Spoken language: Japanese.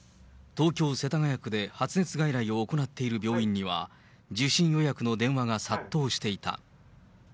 東京・世田谷区で発熱外来を行っている病院には、受診予約の電話が殺到していた。